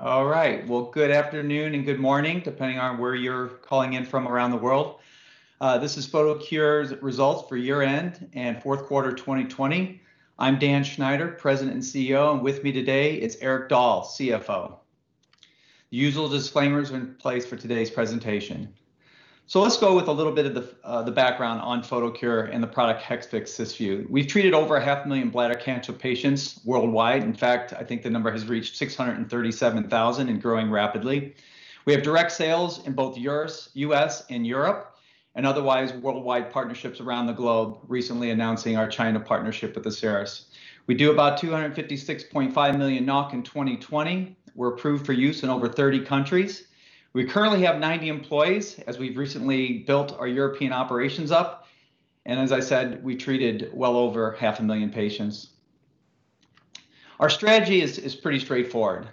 All right. Well, good afternoon and good morning, depending on where you're calling in from around the world. This is Photocure's results for year-end and fourth quarter 2020. I'm Dan Schneider, President and CEO, and with me today is Erik Dahl, CFO. The usual disclaimers are in place for today's presentation. Let's go with a little bit of the background on Photocure and the product Hexvix/Cysview. We've treated over a half million bladder cancer patients worldwide. In fact, I think the number has reached 637,000 and growing rapidly. We have direct sales in both U.S. and Europe, and otherwise, worldwide partnerships around the globe, recently announcing our China partnership with Asieris. We do about 256.5 million NOK in 2020. We're approved for use in over 30 countries. We currently have 90 employees, as we've recently built our European operations up. As I said, we treated well over half a million patients. Our strategy is pretty straightforward.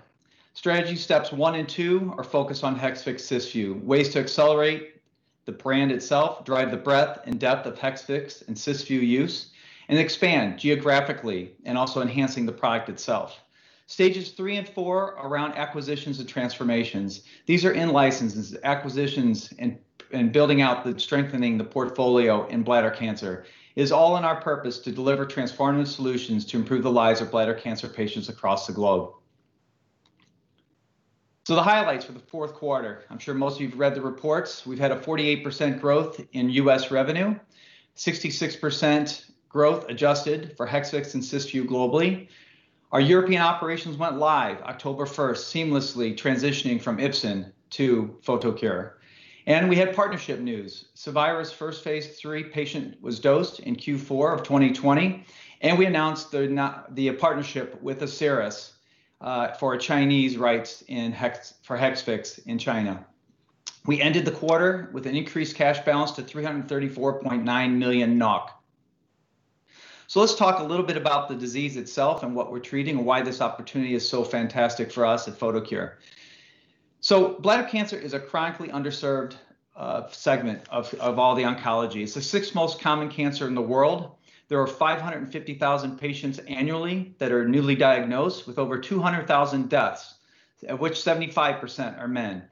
Strategy steps one and two are focused on Hexvix/Cysview, ways to accelerate the brand itself, drive the breadth and depth of Hexvix and Cysview use, and expand geographically, and also enhancing the product itself. Stages three and four are around acquisitions and transformations. These are in-licenses, acquisitions, and building out and strengthening the portfolio in bladder cancer. It is all in our purpose to deliver transformative solutions to improve the lives of bladder cancer patients across the globe. The highlights for the fourth quarter, I'm sure most of you have read the reports. We've had a 48% growth in U.S. revenue, 66% growth adjusted for Hexvix and Cysview globally. Our European operations went live October 1st, seamlessly transitioning from Ipsen to Photocure. We had partnership news. Cevira's first phase III patient was dosed in Q4 2020. We announced the partnership with Asieris for Chinese rights for Hexvix in China. We ended the quarter with an increased cash balance to 334.9 million NOK. Let's talk a little bit about the disease itself and what we're treating, and why this opportunity is so fantastic for us at Photocure. Bladder cancer is a chronically underserved segment of all the oncologies. The sixth most common cancer in the world. There are 550,000 patients annually that are newly diagnosed, with over 200,000 deaths, of which 75% are men.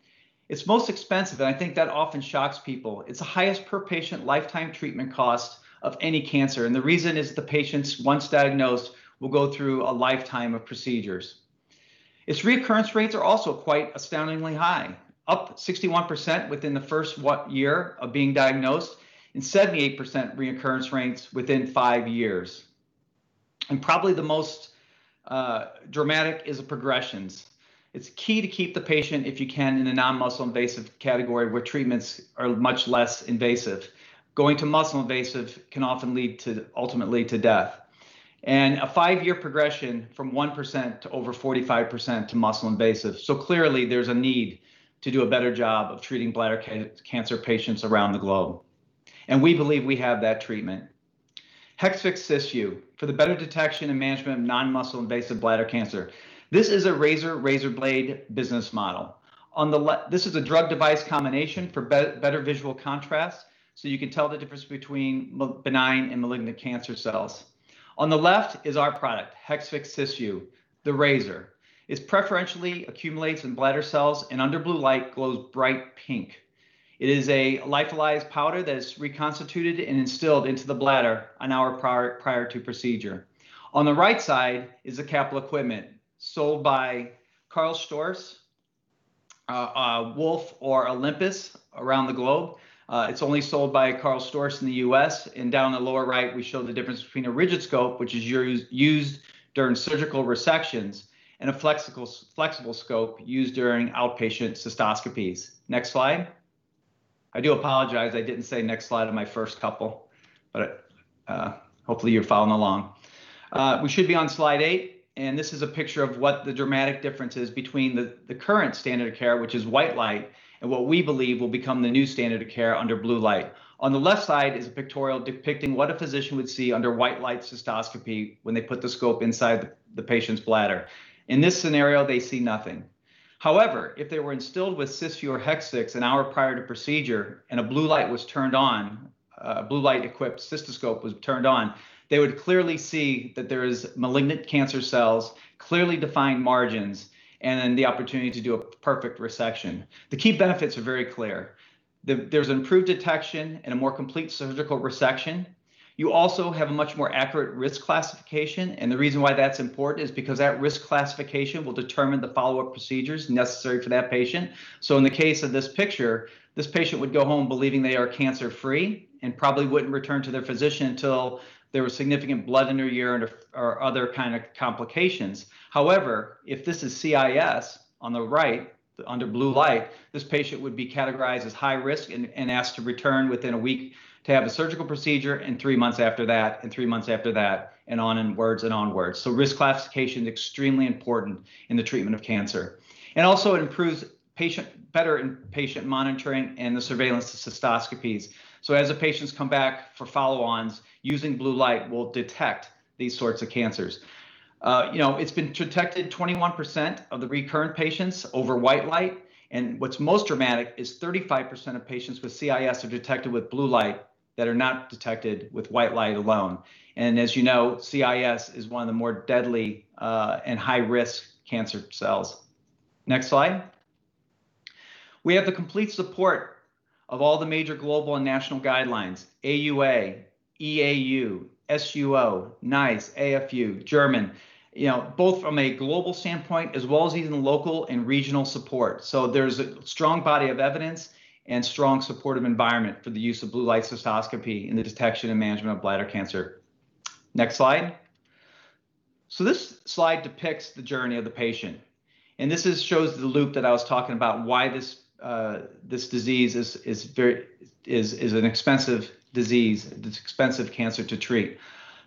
It's most expensive. I think that often shocks people. It's the highest per patient lifetime treatment cost of any cancer. The reason is the patients, once diagnosed, will go through a lifetime of procedures. Its recurrence rates are also quite astoundingly high, up 61% within the first year of being diagnosed, and 78% recurrence rates within five years. Probably the most dramatic is the progressions. It's key to keep the patient, if you can, in a non-muscle invasive category, where treatments are much less invasive. Going to muscle invasive can often lead, ultimately, to death. A five-year progression from 1% to over 45% to muscle invasive. Clearly, there's a need to do a better job of treating bladder cancer patients around the globe. We believe we have that treatment. Hexvix/Cysview, for the better detection and management of non-muscle invasive bladder cancer. This is a razor blade business model. This is a drug device combination for better visual contrast, so you can tell the difference between benign and malignant cancer cells. On the left is our product, Hexvix/Cysview, the razor. It preferentially accumulates in bladder cells, and under blue light, glows bright pink. It is a lyophilized powder that is reconstituted and instilled into the bladder an hour prior to procedure. On the right side is the capital equipment sold by Karl Storz, Wolf, or Olympus around the globe. It's only sold by Karl Storz in the U.S. Down in the lower right, we show the difference between a rigid scope, which is used during surgical resections, and a flexible scope used during outpatient cystoscopies. Next slide. I do apologize, I didn't say next slide on my first couple, but hopefully you're following along. We should be on slide eight, and this is a picture of what the dramatic difference is between the current standard of care, which is white light, and what we believe will become the new standard of care under blue light. On the left side is a pictorial depicting what a physician would see under white light cystoscopy when they put the scope inside the patient's bladder. In this scenario, they see nothing. However, if they were instilled with Cysview or Hexvix an hour prior to procedure and a blue light equipped cystoscope was turned on, they would clearly see that there is malignant cancer cells, clearly defined margins, and the opportunity to do a perfect resection. The key benefits are very clear. There's improved detection and a more complete surgical resection. You also have a much more accurate risk classification, and the reason why that's important is because that risk classification will determine the follow-up procedures necessary for that patient. In the case of this picture, this patient would go home believing they are cancer-free and probably wouldn't return to their physician until there was significant blood in their urine or other kind of complications. However, if this is CIS on the right under blue light, this patient would be categorized as high risk and asked to return within a week to have a surgical procedure, and three months after that, and three months after that, and onwards and onwards. Risk classification is extremely important in the treatment of cancer. Also, it improves better patient monitoring and the surveillance of cystoscopies. As the patients come back for follow-ons, using blue light will detect these sorts of cancers. It's detected 21% of the recurrent patients over white light. What's most dramatic is 35% of patients with CIS are detected with blue light that are not detected with white light alone. As you know, CIS is one of the more deadly and high-risk cancer cells. Next slide. We have the complete support of all the major global and national guidelines, AUA, EAU, SUO, NICE, AFU, German, both from a global standpoint as well as even local and regional support. There's a strong body of evidence and strong supportive environment for the use of blue light cystoscopy in the detection and management of bladder cancer. Next slide. This slide depicts the journey of the patient. This shows the loop that I was talking about why this disease is an expensive disease. It's expensive cancer to treat.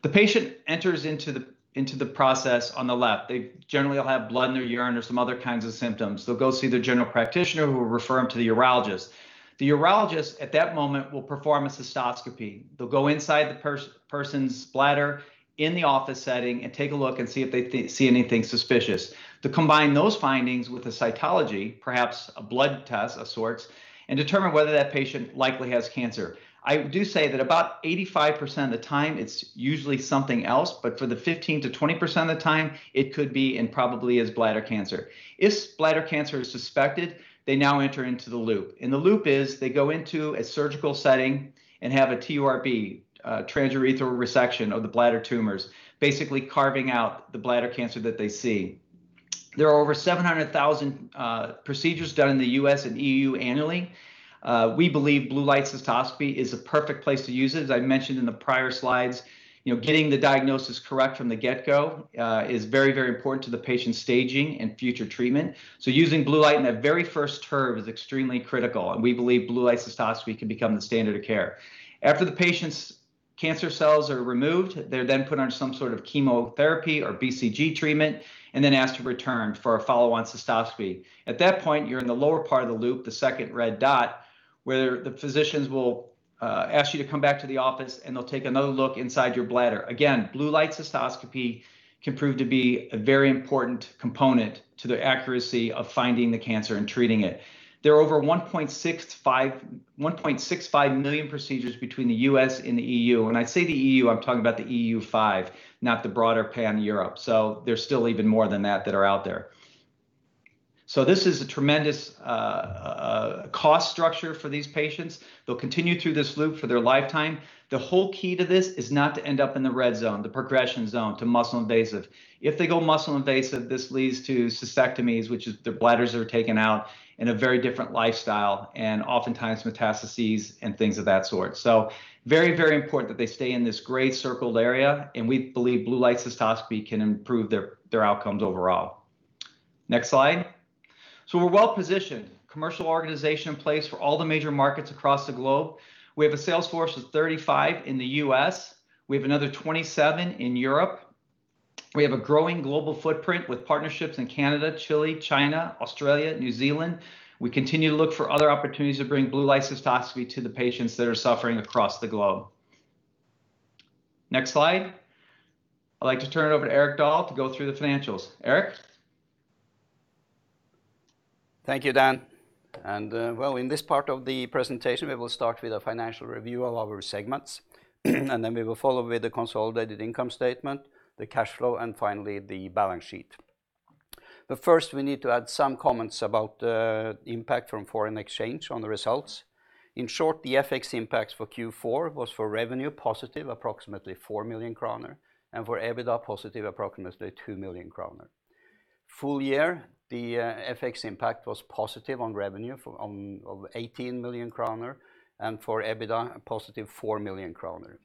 The patient enters into the process on the left. They generally will have blood in their urine or some other kinds of symptoms. They'll go see their general practitioner, who will refer them to the urologist. The urologist, at that moment, will perform a cystoscopy. They'll go inside the person's bladder in the office setting and take a look and see if they see anything suspicious. They combine those findings with a cytology, perhaps a blood test of sorts, and determine whether that patient likely has cancer. I do say that about 85% of the time, it's usually something else, but for the 15%-20% of the time, it could be and probably is bladder cancer. If bladder cancer is suspected, they now enter into the loop, and the loop is they go into a surgical setting and have a TURB, transurethral resection of the bladder tumors, basically carving out the bladder cancer that they see. There are over 700,000 procedures done in the U.S. and EU annually. We believe blue light cystoscopy is a perfect place to use it. As I mentioned in the prior slides, getting the diagnosis correct from the get-go is very, very important to the patient's staging and future treatment. Using blue light in that very first TURB is extremely critical, and we believe blue light cystoscopy can become the standard of care. After the patient's cancer cells are removed, they're then put on some sort of chemotherapy or BCG treatment and then asked to return for a follow-on cystoscopy. At that point, you're in the lower part of the loop, the second red dot, where the physicians will ask you to come back to the office, and they'll take another look inside your bladder. Again, blue light cystoscopy can prove to be a very important component to the accuracy of finding the cancer and treating it. There are over 1.65 million procedures between the U.S. and the EU. When I say the EU, I'm talking about the EU 5, not the broader Pan-Europe. There's still even more than that that are out there. This is a tremendous cost structure for these patients. They'll continue through this loop for their lifetime. The whole key to this is not to end up in the red zone, the progression zone, to muscle invasive. If they go muscle invasive, this leads to cystectomies, which is their bladders are taken out, and a very different lifestyle, and oftentimes metastases and things of that sort. Very, very important that they stay in this gray circled area, and we believe blue light cystoscopy can improve their outcomes overall. Next slide. We're well-positioned. Commercial organization in place for all the major markets across the globe. We have a sales force of 35 in the U.S. We have another 27 in Europe. We have a growing global footprint with partnerships in Canada, Chile, China, Australia, New Zealand. We continue to look for other opportunities to bring blue light cystoscopy to the patients that are suffering across the globe. Next slide. I'd like to turn it over to Erik Dahl to go through the financials. Erik? Thank you, Dan. Well, in this part of the presentation, we will start with a financial review of our segments, and then we will follow with the consolidated income statement, the cash flow, and finally, the balance sheet. First, we need to add some comments about the impact from foreign exchange on the results. In short, the FX impacts for Q4 was for revenue positive approximately 4 million kroner, and for EBITDA positive approximately 2 million kroner. Full year, the FX impact was positive on revenue of 18 million kroner, and for EBITDA, a positive 4 million kroner.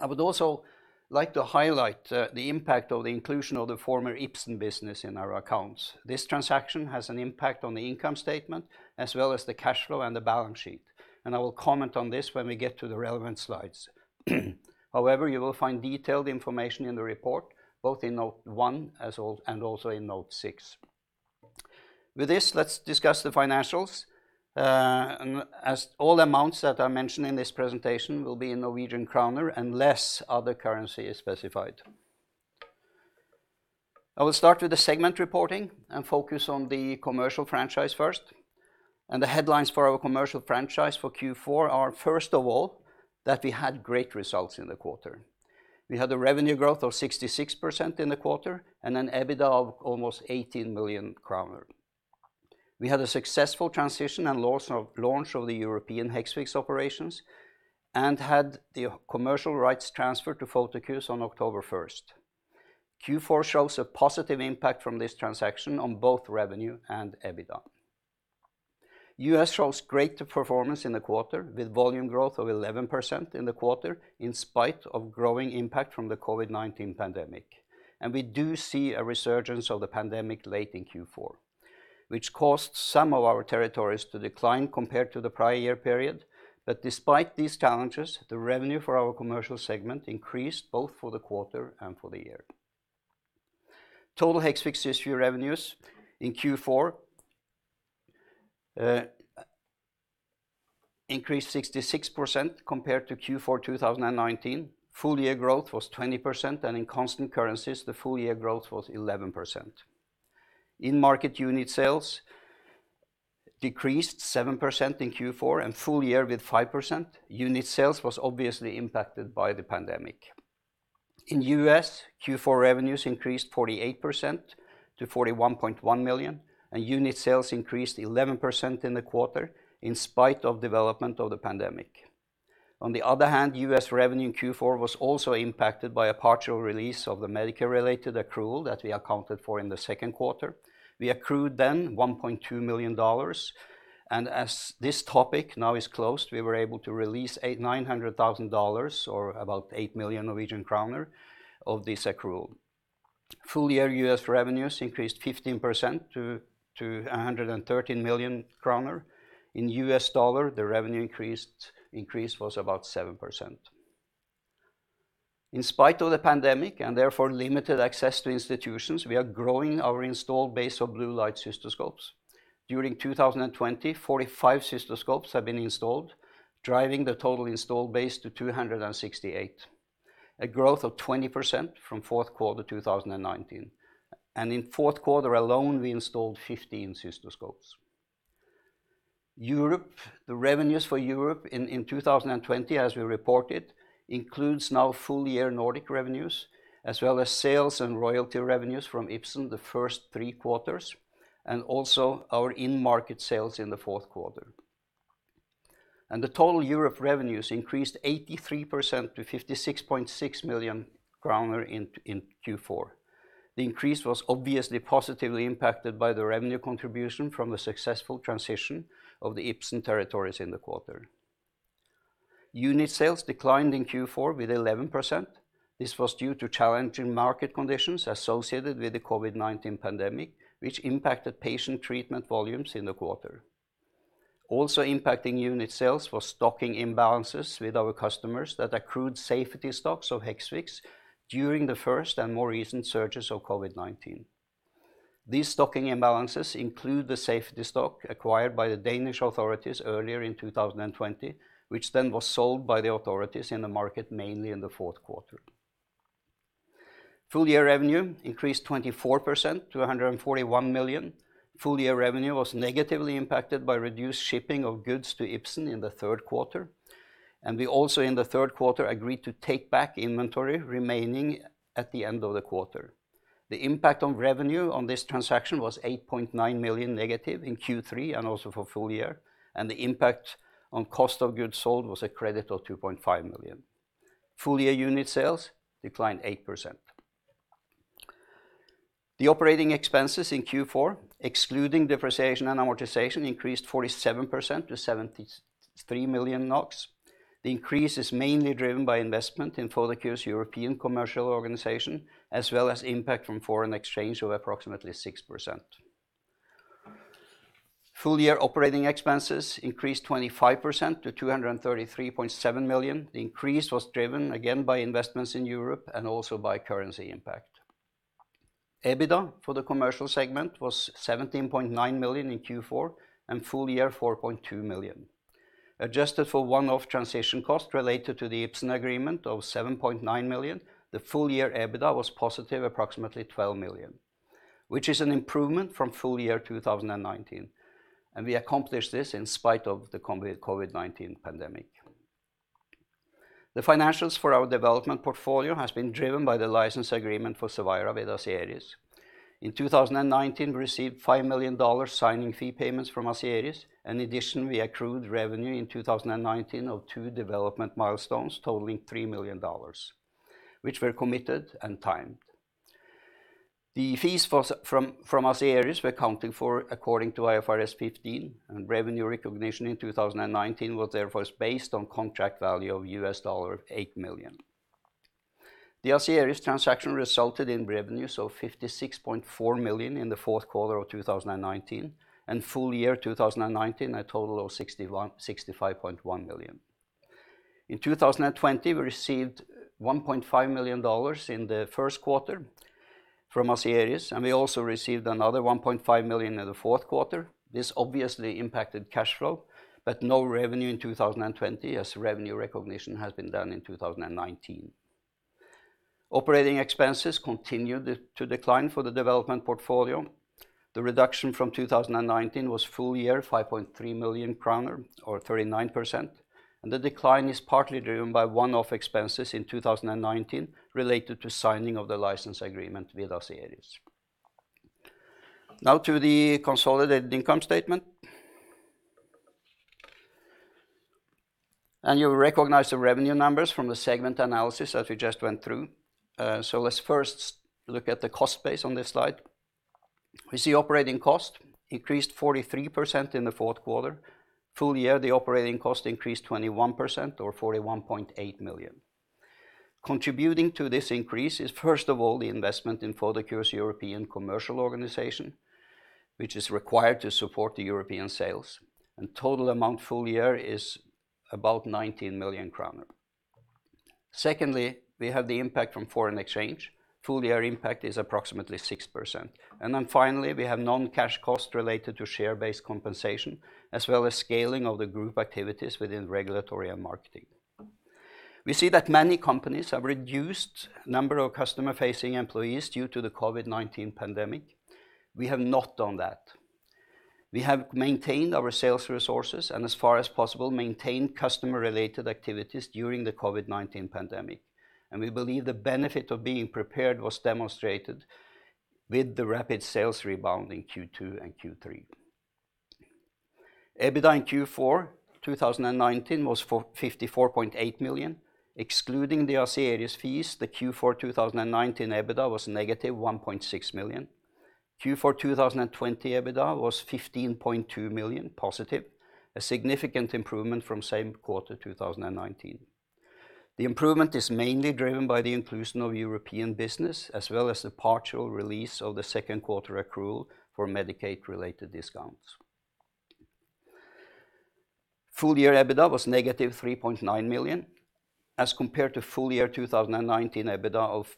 I would also like to highlight the impact of the inclusion of the former Ipsen business in our accounts. This transaction has an impact on the income statement as well as the cash flow and the balance sheet. I will comment on this when we get to the relevant slides. You will find detailed information in the report, both in note one and also in note six. With this, let's discuss the financials. All amounts that are mentioned in this presentation will be in NOK unless other currency is specified. I will start with the segment reporting and focus on the commercial franchise first. The headlines for our commercial franchise for Q4 are, first of all, that we had great results in the quarter. We had a revenue growth of 66% in the quarter and an EBITDA of almost 18 million kroner. We had a successful transition and launch of the European Hexvix operations and had the commercial rights transferred to Photocure on October 1st. Q4 shows a positive impact from this transaction on both revenue and EBITDA. U.S. shows great performance in the quarter, with volume growth of 11% in the quarter in spite of growing impact from the COVID-19 pandemic. We do see a resurgence of the pandemic late in Q4, which caused some of our territories to decline compared to the prior year period. Despite these challenges, the revenue for our commercial segment increased both for the quarter and for the year. Total Hexvix/Cysview revenues in Q4 increased 66% compared to Q4 2019. Full year growth was 20%, and in constant currencies, the full year growth was 11%. In market unit sales decreased 7% in Q4 and full year with 5%. Unit sales was obviously impacted by the pandemic. In the U.S., Q4 revenues increased 48% to 41.1 million, and unit sales increased 11% in the quarter in spite of development of the pandemic. On the other hand, U.S. revenue in Q4 was also impacted by a partial release of the Medicare-related accrual that we accounted for in the second quarter. We accrued then $1.2 million, and as this topic now is closed, we were able to release $900,000, or about 8 million Norwegian kroner, of this accrual. Full year U.S. revenues increased 15% to 113 million kroner. In U.S. dollar, the revenue increase was about 7%. In spite of the pandemic, and therefore limited access to institutions, we are growing our installed base of blue light cystoscopes. During 2020, 45 cystoscopes have been installed, driving the total installed base to 268, a growth of 20% from fourth quarter 2019. In fourth quarter alone, we installed 15 cystoscopes. Europe. The revenues for Europe in 2020, as we reported, includes now full year Nordic revenues, as well as sales and royalty revenues from Ipsen the first three quarters, and also our in-market sales in the fourth quarter. The total Europe revenues increased 83% to 56.6 million kroner in Q4. The increase was obviously positively impacted by the revenue contribution from the successful transition of the Ipsen territories in the quarter. Unit sales declined in Q4 with 11%. This was due to challenging market conditions associated with the COVID-19 pandemic, which impacted patient treatment volumes in the quarter. Also impacting unit sales was stocking imbalances with our customers that accrued safety stocks of Hexvix during the first and more recent surges of COVID-19. These stocking imbalances include the safety stock acquired by the Danish authorities earlier in 2020, which then was sold by the authorities in the market mainly in the fourth quarter. Full year revenue increased 24% to 141 million. Full year revenue was negatively impacted by reduced shipping of goods to Ipsen in the third quarter. We also, in the third quarter, agreed to take back inventory remaining at the end of the quarter. The impact on revenue on this transaction was 8.9 million in Q3, and also for full year, and the impact on cost of goods sold was a credit of 2.5 million. Full year unit sales declined 8%. The operating expenses in Q4, excluding depreciation and amortization, increased 47% to 73 million NOK. The increase is mainly driven by investment in Photocure's European commercial organization, as well as impact from foreign exchange of approximately 6%. Full year operating expenses increased 25% to 233.7 million. The increase was driven again by investments in Europe and also by currency impact. EBITDA for the commercial segment was 17.9 million in Q4 and full year, 4.2 million. Adjusted for one-off transition cost related to the Ipsen agreement of 7.9 million, the full year EBITDA was positive, approximately 12 million, which is an improvement from full year 2019. We accomplished this in spite of the COVID-19 pandemic. The financials for our development portfolio has been driven by the license agreement for Cevira with Asieris. In 2019, we received $5 million signing fee payments from Asieris. In addition, we accrued revenue in 2019 of two development milestones totaling $3 million, which were committed and timed. The fees from Asieris were accounting for according to IFRS 15, and revenue recognition in 2019 was therefore based on contract value of $8 million. The Asieris transaction resulted in revenues of 56.4 million in the fourth quarter of 2019, and full year 2019, a total of 65.1 million. In 2020, we received $1.5 million in the first quarter from Asieris, and we also received another $1.5 million in the fourth quarter. This obviously impacted cash flow, but no revenue in 2020 as revenue recognition has been done in 2019. Operating expenses continued to decline for the development portfolio. The reduction from 2019 was full year 5.3 million kroner, or 39%, and the decline is partly driven by one-off expenses in 2019 related to signing of the license agreement with Asieris. Now to the consolidated income statement. You'll recognize the revenue numbers from the segment analysis that we just went through. Let's first look at the cost base on this slide. We see operating cost increased 43% in the fourth quarter. Full year, the operating cost increased 21%, or 41.8 million. Contributing to this increase is, first of all, the investment in Photocure's European commercial organization, which is required to support the European sales, and total amount full year is about 19 million kroner. Secondly, we have the impact from foreign exchange. Full year impact is approximately 6%. Finally, we have non-cash costs related to share-based compensation, as well as scaling of the group activities within regulatory and marketing. We see that many companies have reduced number of customer-facing employees due to the COVID-19 pandemic. We have not done that. We have maintained our sales resources, and as far as possible, maintained customer-related activities during the COVID-19 pandemic. We believe the benefit of being prepared was demonstrated with the rapid sales rebound in Q2 and Q3. EBITDA in Q4 2019 was 54.8 million, excluding the Asieris fees, the Q4 2019 EBITDA was -1.6 million. Q4 2020 EBITDA was +15.2 million, a significant improvement from same quarter 2019. The improvement is mainly driven by the inclusion of European business, as well as the partial release of the second quarter accrual for Medicaid-related discounts. Full year EBITDA was -3.9 million, as compared to full year 2019 EBITDA of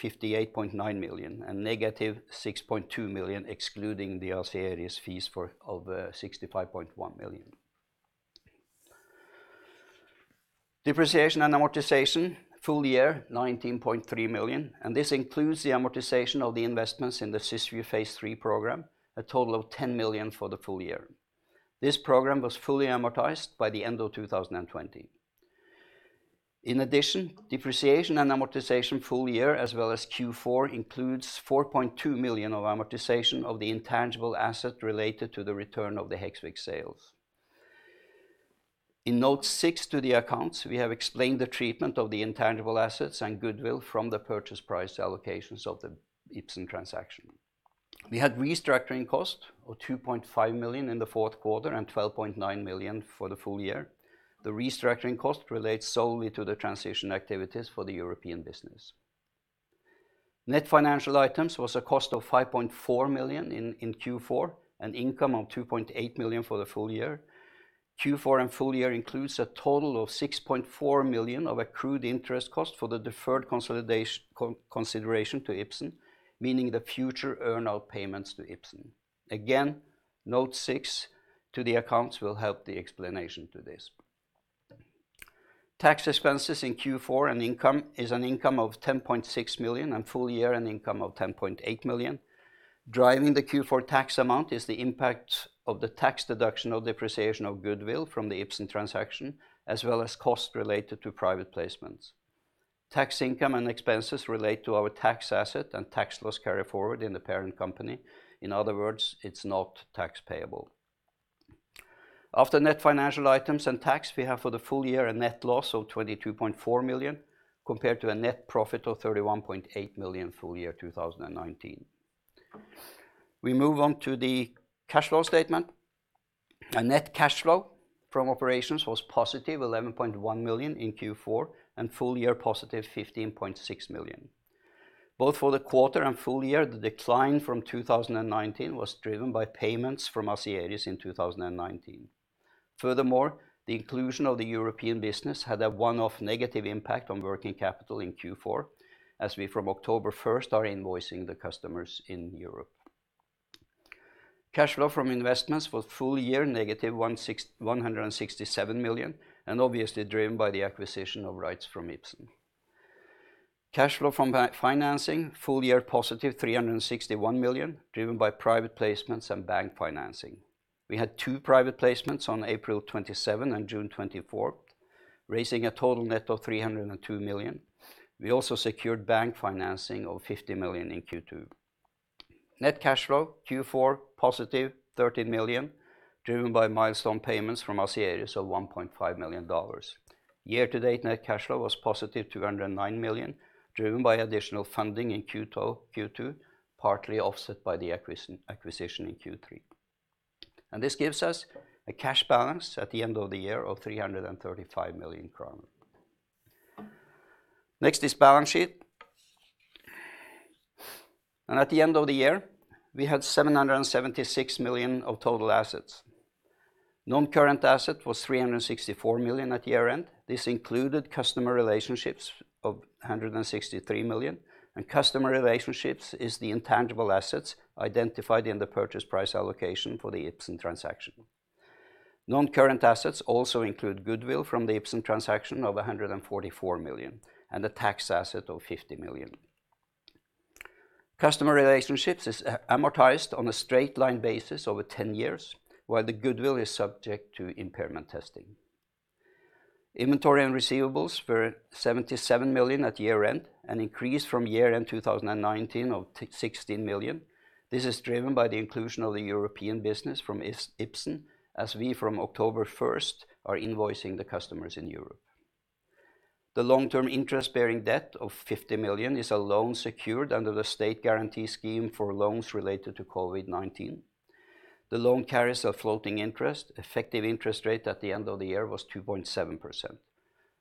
58.9 million, and -6.2 million, excluding the Asieris fees of 65.1 million. Depreciation and amortization full year 19.3 million, and this includes the amortization of the investments in the Cysview phase III program, a total of 10 million for the full year. This program was fully amortized by the end of 2020. In addition, depreciation and amortization full year as well as Q4 includes 4.2 million of amortization of the intangible asset related to the return of the Hexvix sales. In note six to the accounts, we have explained the treatment of the intangible assets and goodwill from the purchase price allocation of the Ipsen transaction. We had restructuring cost of 2.5 million in the fourth quarter and 12.9 million for the full year. The restructuring cost relates solely to the transition activities for the European business. Net financial items was a cost of 5.4 million in Q4, and income of 2.8 million for the full year. Q4 and full year includes a total of 6.4 million of accrued interest cost for the deferred consideration to Ipsen, meaning the future earn-out payments to Ipsen. Note six to the accounts will help the explanation to this. Tax expenses in Q4 and income is an income of 10.6 million. Full year an income of 10.8 million. Driving the Q4 tax amount is the impact of the tax deduction of depreciation of goodwill from the Ipsen transaction, as well as cost related to private placements. Tax income and expenses relate to our tax asset and tax loss carryforward in the parent company. In other words, it's not tax payable. After net financial items and tax we have for the full year a net loss of 22.4 million, compared to a net profit of 31.8 million full year 2019. We move on to the cash flow statement. Net cash flow from operations was +11.1 million in Q4, and full year +15.6 million. Both for the quarter and full year, the decline from 2019 was driven by payments from Asieris in 2019. The inclusion of the European business had a one-off negative impact on working capital in Q4, as we from October 1st are invoicing the customers in Europe. Cash flow from investments was full year -167 million, driven by the acquisition of rights from Ipsen. Cash flow from financing full year +361 million, driven by private placements and bank financing. We had two private placements on April 27 and June 24th, raising a total net of 302 million. We also secured bank financing of 50 million in Q2. Net cash flow Q4 +13 million, driven by milestone payments from Asieris of $1.5 million. Year-to-date net cash flow was +209 million, driven by additional funding in Q2, partly offset by the acquisition in Q3. This gives us a cash balance at the end of the year of 335 million. Next is balance sheet. At the end of the year, we had 776 million of total assets. Non-current asset was 364 million at year-end. This included customer relationships of 163 million. Customer relationships is the intangible assets identified in the purchase price allocation for the Ipsen transaction. Non-current assets also include goodwill from the Ipsen transaction of 144 million, and a tax asset of 50 million. Customer relationships is amortized on a straight line basis over 10 years, while the goodwill is subject to impairment testing. Inventory and receivables were 77 million at year-end, an increase from year-end 2019 of 16 million. This is driven by the inclusion of the European business from Ipsen, as we from October 1st are invoicing the customers in Europe. The long-term interest-bearing debt of 50 million is a loan secured under the state guarantee scheme for loans related to COVID-19. The loan carries a floating interest. Effective interest rate at the end of the year was 2.7%.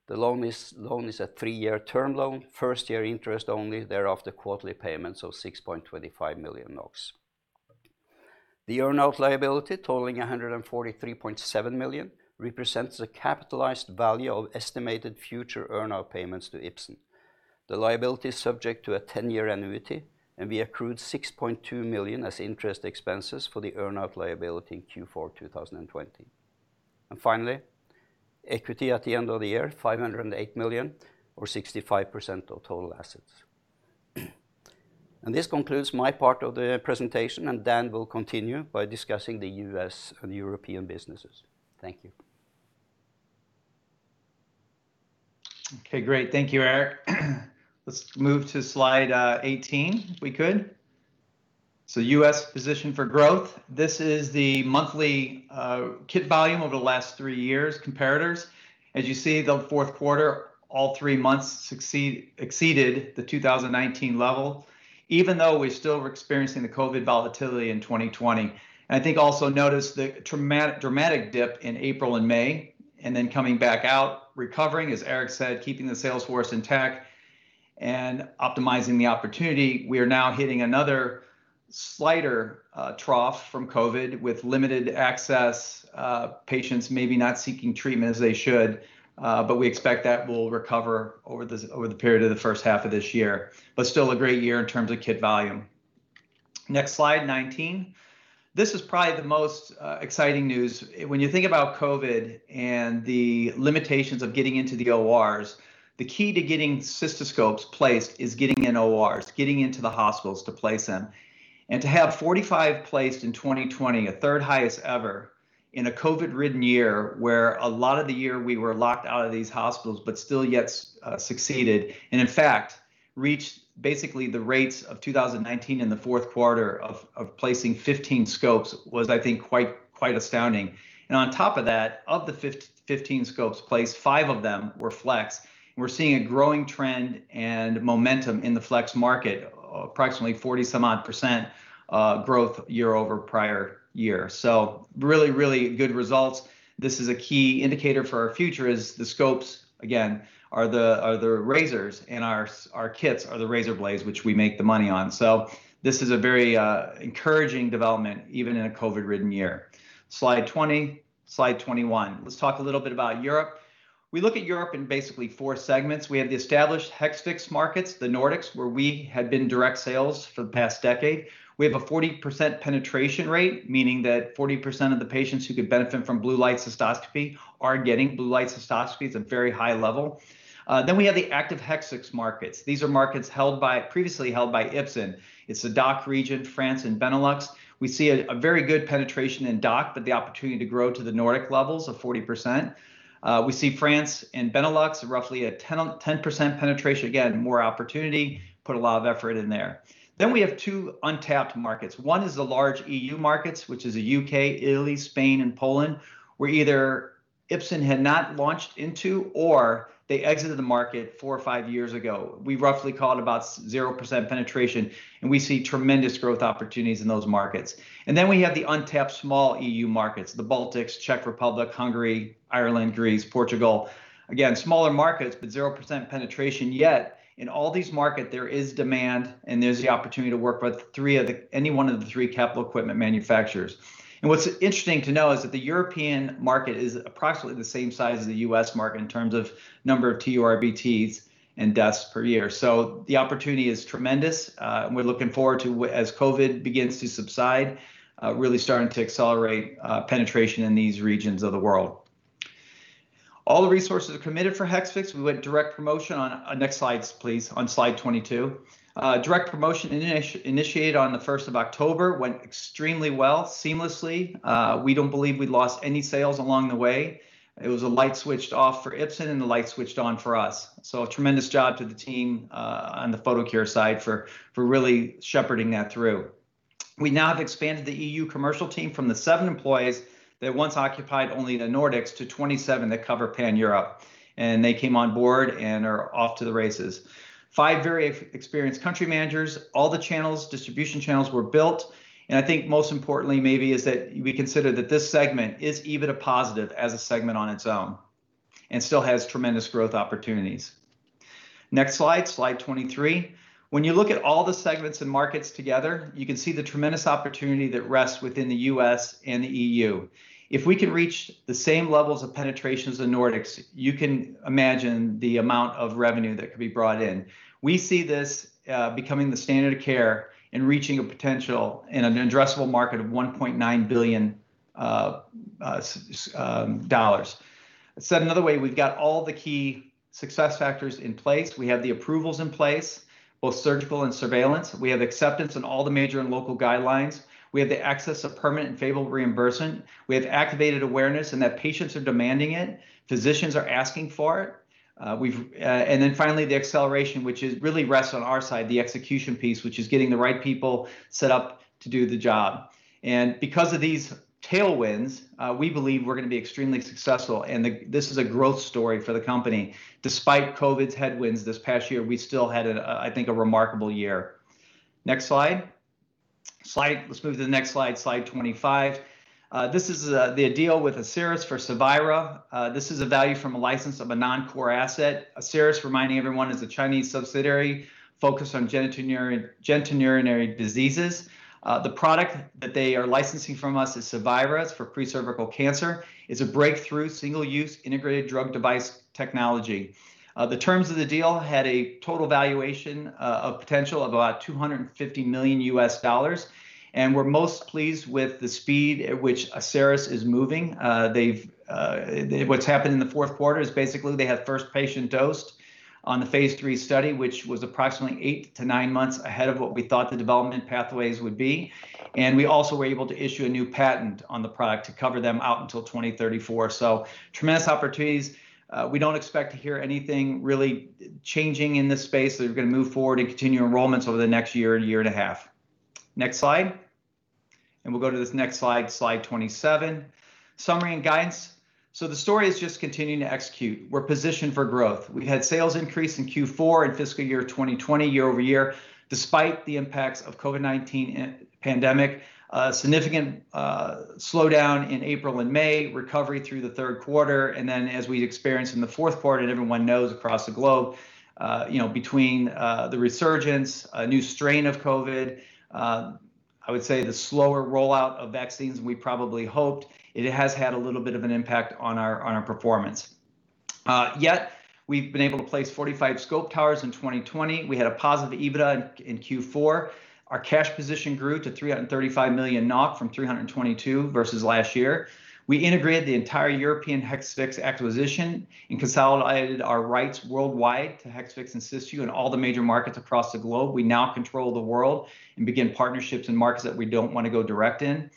The loan is a three-year term loan. First year interest only, thereafter quarterly payments of 6.25 million NOK. The earn-out liability totaling 143.7 million represents the capitalized value of estimated future earn-out payments to Ipsen. The liability is subject to a 10-year annuity. We accrued 6.2 million as interest expenses for the earn-out liability in Q4 2020. Finally, equity at the end of the year, 508 million or 65% of total assets. This concludes my part of the presentation, and Dan will continue by discussing the U.S. and European businesses. Thank you. Okay, great. Thank you, Erik. Let's move to slide 18, if we could. U.S. position for growth. This is the monthly kit volume over the last three years' comparators. As you see, the fourth quarter, all three months exceeded the 2019 level, even though we still were experiencing the COVID-19 volatility in 2020. I think also notice the dramatic dip in April and May, then coming back out, recovering, as Erik said, keeping the sales force intact and optimizing the opportunity. We are now hitting another slighter trough from COVID-19 with limited access, patients maybe not seeking treatment as they should. We expect that will recover over the period of the first half of this year. Still a great year in terms of kit volume. Next slide 19. This is probably the most exciting news. When you think about COVID and the limitations of getting into the ORs, the key to getting cystoscopes placed is getting in ORs, getting into the hospitals to place them. To have 45 placed in 2020, a third highest ever in a COVID-ridden year, where a lot of the year we were locked out of these hospitals, but still yet succeeded, and in fact, reached basically the rates of 2019 in the fourth quarter of placing 15 scopes was, I think, quite astounding. On top of that, of the 15 scopes placed, five of them were flex. We're seeing a growing trend and momentum in the flex market, approximately 40-some odd percent growth year-over-year. Really, really good results. This is a key indicator for our future is the scopes, again, are the razors, and our kits are the razor blades which we make the money on. This is a very encouraging development, even in a COVID-ridden year. Slide 20. Slide 21. Let's talk a little bit about Europe. We look at Europe in basically four segments. We have the established Hexvix markets, the Nordics, where we had been direct sales for the past decade. We have a 40% penetration rate, meaning that 40% of the patients who could benefit from blue light cystoscopy are getting blue light cystoscopy. It's a very high level. We have the active Hexvix markets. These are markets previously held by Ipsen. It's the DACH region, France and Benelux. We see a very good penetration in DACH, but the opportunity to grow to the Nordic levels of 40%. We see France and Benelux are roughly at 10% penetration. More opportunity. Put a lot of effort in there. We have two untapped markets. One is the large EU markets, which is the U.K., Italy, Spain, and Poland, where either Ipsen had not launched into or they exited the market four or five years ago. We roughly call it about 0% penetration. We see tremendous growth opportunities in those markets. We have the untapped small EU markets, the Baltics, Czech Republic, Hungary, Ireland, Greece, Portugal. Smaller markets. 0% penetration yet. In all these markets, there is demand. There's the opportunity to work with any one of the three capital equipment manufacturers. What's interesting to know is that the European market is approximately the same size as the U.S. market in terms of number of TURBTs and deaths per year. The opportunity is tremendous. We're looking forward to, as COVID begins to subside, really starting to accelerate penetration in these regions of the world. All the resources are committed for Hexvix. We went direct promotion on Next slides, please. On slide 22. Direct promotion initiated on the 1st of October went extremely well, seamlessly. We don't believe we lost any sales along the way. It was a light switched off for Ipsen and the light switched on for us. A tremendous job to the team on the Photocure side for really shepherding that through. We now have expanded the EU commercial team from the seven employees that once occupied only the Nordics to 27 that cover Pan-Europe. They came on board and are off to the races. Five very experienced country managers. All the distribution channels were built, and I think most importantly maybe is that we consider that this segment is even a positive as a segment on its own and still has tremendous growth opportunities. Next slide 23. When you look at all the segments and markets together, you can see the tremendous opportunity that rests within the U.S. and the E.U. If we can reach the same levels of penetration as the Nordics, you can imagine the amount of revenue that could be brought in. We see this becoming the standard of care and reaching a potential in an addressable market of $1.9 billion. Said another way, we've got all the key success factors in place. We have the approvals in place, both surgical and surveillance. We have acceptance in all the major and local guidelines. We have the access of permanent favorable reimbursement. We have activated awareness in that patients are demanding it, physicians are asking for it. Finally, the acceleration, which really rests on our side, the execution piece, which is getting the right people set up to do the job. Because of these tailwinds, we believe we're going to be extremely successful, and this is a growth story for the company. Despite COVID-19's headwinds this past year, we still had, I think, a remarkable year. Next slide. Let's move to the next slide 25. This is the deal with Asieris for Cevira. This is a value from a license of a non-core asset. Asieris, reminding everyone, is a Chinese subsidiary focused on genitourinary diseases. The product that they are licensing from us is Cevira. It's for pre-cervical cancer. It's a breakthrough single-use integrated drug device technology. The terms of the deal had a total valuation of potential of about $250 million, and we're most pleased with the speed at which Asieris is moving. What's happened in the fourth quarter is basically they had first patient dosed on the phase III study, which was approximately eight to nine months ahead of what we thought the development pathways would be. We also were able to issue a new patent on the product to cover them out until 2034. Tremendous opportunities. We don't expect to hear anything really changing in this space, that are going to move forward and continue enrollments over the next year and year and a half. Next slide. We'll go to this next slide 27. Summary and guidance. The story is just continuing to execute. We're positioned for growth. We had sales increase in Q4 in fiscal year 2020, year-over-year, despite the impacts of COVID-19 pandemic. A significant slowdown in April and May, recovery through the third quarter, and then as we experienced in the fourth quarter, and everyone knows across the globe, between the resurgence, a new strain of COVID, I would say the slower rollout of vaccines than we probably hoped, it has had a little bit of an impact on our performance. We've been able to place 45 Scope towers in 2020. We had a positive EBITDA in Q4. Our cash position grew to 335 million NOK from 322 million last year. We integrated the entire European Hexvix acquisition and consolidated our rights worldwide to Hexvix and Cysview in all the major markets across the globe. We now control the world and begin partnerships in markets that we don't want to go direct in.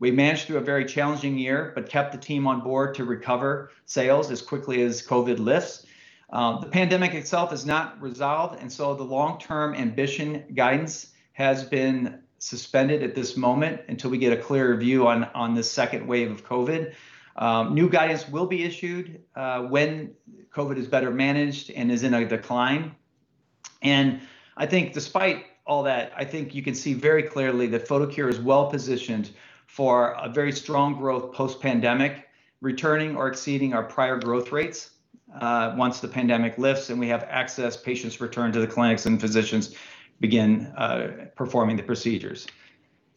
We managed through a very challenging year, but kept the team on board to recover sales as quickly as COVID lifts. The pandemic itself is not resolved, and so the long-term ambition guidance has been suspended at this moment until we get a clearer view on this second wave of COVID. New guidance will be issued when COVID is better managed and is in a decline, and I think despite all that, I think you can see very clearly that Photocure is well-positioned for a very strong growth post-pandemic, returning or exceeding our prior growth rates once the pandemic lifts and we have access, patients return to the clinics, and physicians begin performing the procedures.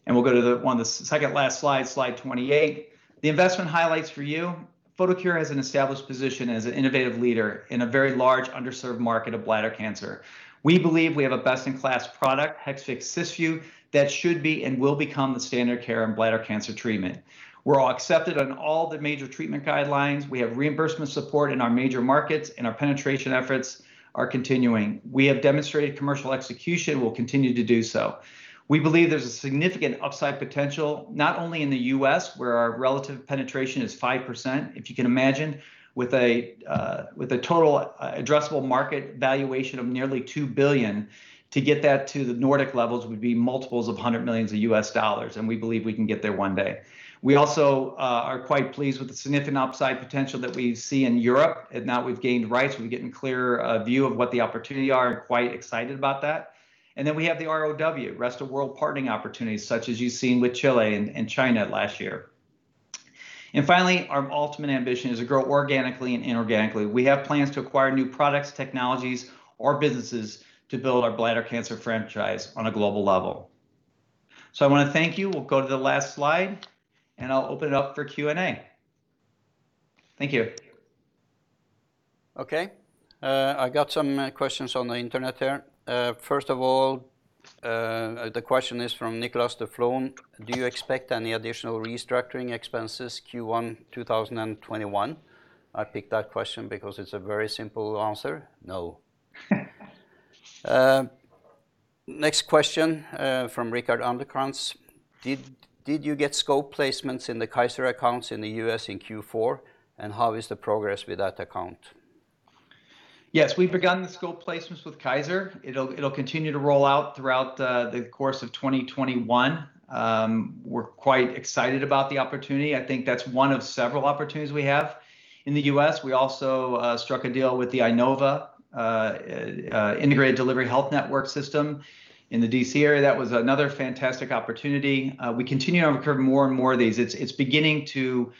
We'll go to the second last slide 28. The investment highlights for you. Photocure has an established position as an innovative leader in a very large underserved market of bladder cancer. We believe we have a best-in-class product, Hexvix Cysview, that should be and will become the standard care in bladder cancer treatment. We're accepted on all the major treatment guidelines. We have reimbursement support in our major markets, and our penetration efforts are continuing. We have demonstrated commercial execution, will continue to do so. We believe there's a significant upside potential, not only in the U.S., where our relative penetration is 5%. If you can imagine, with a total addressable market valuation of nearly $2 billion, to get that to the Nordic levels would be multiples of $100 million. We believe we can get there one day. We also are quite pleased with the significant upside potential that we see in Europe. Now we've gained rights, we're getting a clearer view of what the opportunity are and quite excited about that. Then we have the ROW, rest of world partnering opportunities, such as you've seen with Chile and China last year. Finally, our ultimate ambition is to grow organically and inorganically. We have plans to acquire new products, technologies, or businesses to build our bladder cancer franchise on a global level. I want to thank you. We'll go to the last slide, and I'll open it up for Q&A. Thank you. Okay. I got some questions on the internet here. First of all, the question is from Niklas de Flohn, "Do you expect any additional restructuring expenses Q1 2021?" I picked that question because it's a very simple answer. No. Next question from Rickard Anderkrantz. "Did you get scope placements in the Kaiser accounts in the U.S. in Q4? How is the progress with that account? We've begun the scope placements with Kaiser. It'll continue to roll out throughout the course of 2021. We're quite excited about the opportunity. I think that's one of several opportunities we have in the U.S. We also struck a deal with the Inova integrated delivery health network system in the D.C. area. That was another fantastic opportunity. We continue to incur more and more of these. It's beginning to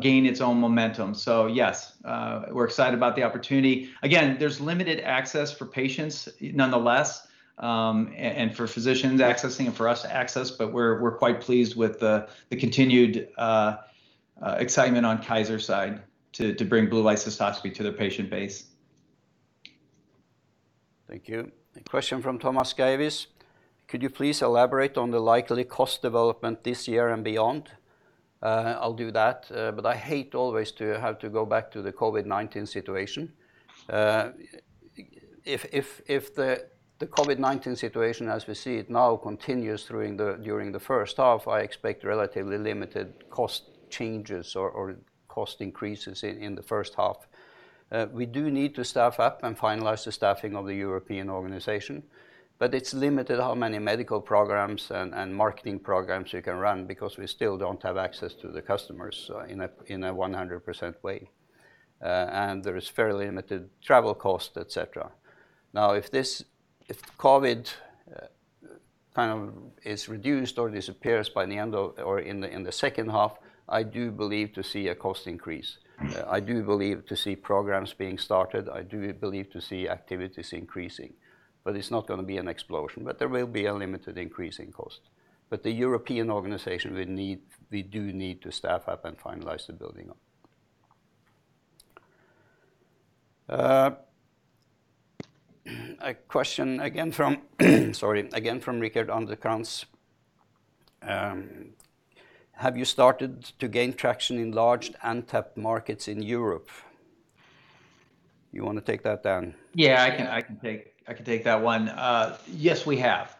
gain its own momentum. We're excited about the opportunity. Again, there's limited access for patients nonetheless, and for physicians accessing it, for us to access, but we're quite pleased with the continued excitement on Kaiser's side to bring blue light cystoscopy to their patient base. Thank you. A question from Thomas Skåle, "Could you please elaborate on the likely cost development this year and beyond?" I'll do that, but I hate always to have to go back to the COVID-19 situation. If the COVID-19 situation as we see it now continues during the first half, I expect relatively limited cost changes or cost increases in the first half. We do need to staff up and finalize the staffing of the European organization, but it's limited how many medical programs and marketing programs you can run because we still don't have access to the customers in a 100% way. There is fairly limited travel cost, et cetera. Now, if COVID is reduced or disappears by the end of, or in the second half, I do believe to see a cost increase. I do believe to see programs being started. I do believe to see activities increasing. It's not going to be an explosion. There will be a limited increase in cost. The European organization, we do need to staff up and finalize the building up. A question again from Rickard Anderkrantz. "Have you started to gain traction in large untapped markets in Europe?" You want to take that, Dan? Yeah, I can take that one. Yes, we have.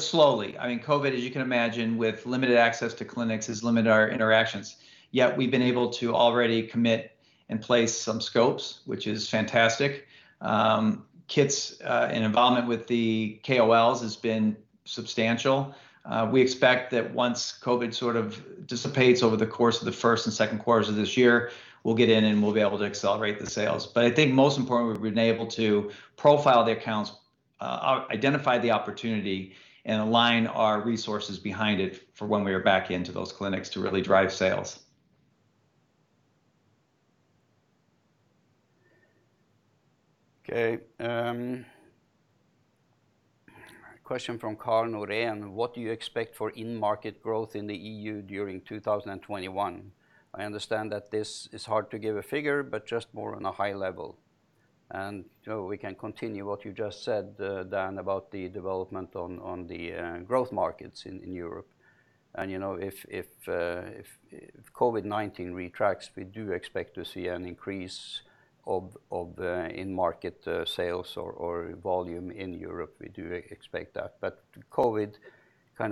Slowly. COVID, as you can imagine, with limited access to clinics, has limited our interactions. Yet we've been able to already commit and place some scopes, which is fantastic. Kits and involvement with the KOLs has been substantial. We expect that once COVID dissipates over the course of the first and second quarters of this year, we'll get in, and we'll be able to accelerate the sales. I think most importantly, we've been able to profile the accounts, identify the opportunity, and align our resources behind it for when we are back into those clinics to really drive sales. Okay. Question from Carl Norén. "What do you expect for in-market growth in the EU during 2021? I understand that this is hard to give a figure, but just more on a high level." We can continue what you just said, Dan, about the development on the growth markets in Europe. If COVID-19 retracts, we do expect to see an increase of in-market sales or volume in Europe. We do expect that. COVID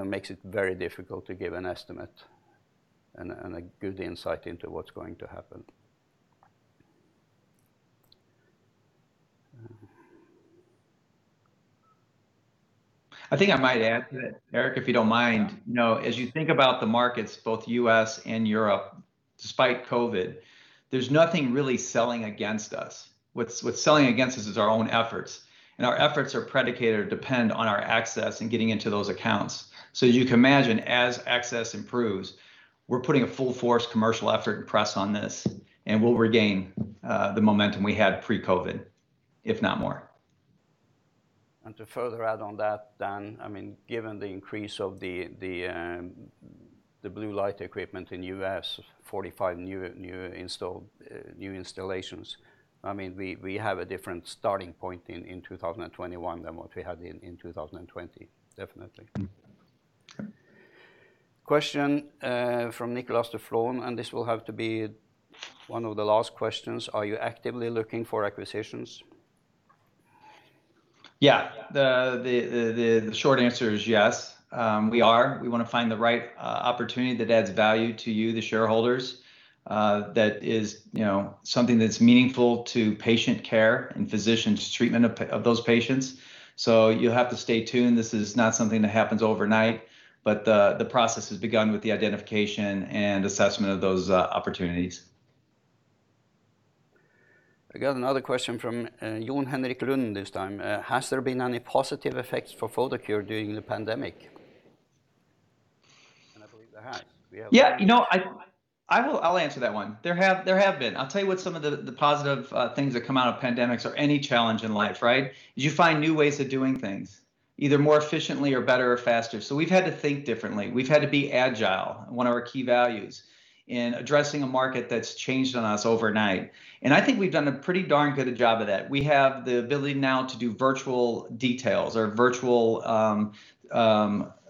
makes it very difficult to give an estimate and a good insight into what's going to happen. I think I might add to that, Erik, if you don't mind. Yeah. As you think about the markets, both U.S. and Europe, despite COVID-19, there's nothing really selling against us. What's selling against us is our own efforts, and our efforts are predicated or depend on our access and getting into those accounts. As you can imagine, as access improves, we're putting a full force commercial effort and press on this, and we'll regain the momentum we had pre-COVID-19, if not more. To further add on that, Dan, given the increase of the blue light equipment in U.S., 45 new installations. We have a different starting point in 2021 than what we had in 2020. Definitely. Question from Niklas de Flohn, this will have to be one of the last questions. "Are you actively looking for acquisitions?" Yeah. The short answer is yes. We are. We want to find the right opportunity that adds value to you, the shareholders. That is something that's meaningful to patient care and physicians' treatment of those patients. You'll have to stay tuned. This is not something that happens overnight, but the process has begun with the identification and assessment of those opportunities. I got another question from Jon Henrik Lund this time. "Has there been any positive effects for Photocure during the pandemic?" I believe there has. I'll answer that one. I'll tell you what some of the positive things that come out of pandemics or any challenge in life. You find new ways of doing things either more efficiently or better or faster. We've had to think differently. We've had to be agile, one of our key values, in addressing a market that's changed on us overnight. I think we've done a pretty darn good job of that. We have the ability now to do virtual details or virtual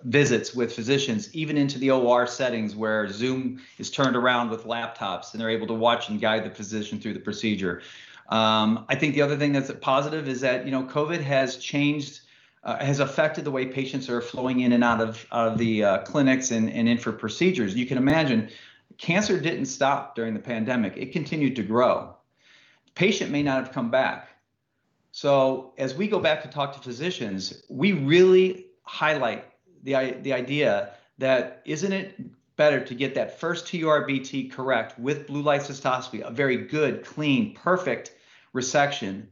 visits with physicians, even into the OR settings where Zoom is turned around with laptops, and they're able to watch and guide the physician through the procedure. I think the other thing that's a positive is that COVID-19 has affected the way patients are flowing in and out of the clinics and in for procedures. You can imagine, cancer didn't stop during the pandemic. It continued to grow. Patient may not have come back. As we go back to talk to physicians, we really highlight the idea that isn't it better to get that first TURBT correct with blue light cystoscopy, a very good, clean, perfect resection.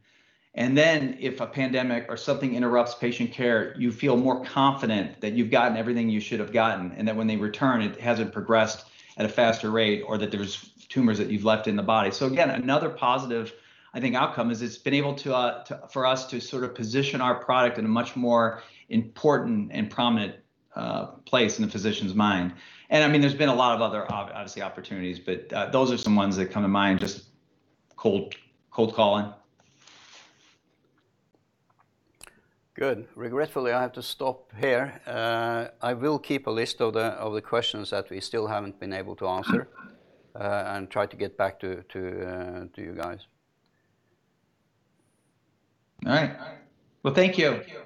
Then if a pandemic or something interrupts patient care, you feel more confident that you've gotten everything you should have gotten, and that when they return, it hasn't progressed at a faster rate or that there's tumors that you've left in the body. Again, another positive outcome is it's been able for us to position our product in a much more important and prominent place in the physician's mind. There's been a lot of other, obviously, opportunities, but those are some ones that come to mind, just cold calling. Good. Regretfully, I have to stop here. I will keep a list of the questions that we still haven't been able to answer and try to get back to you guys. All right. Well, thank you.